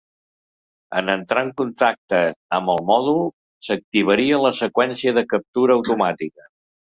En entrar en contacte amb el mòdul, s'activaria la seqüència de captura automàtica.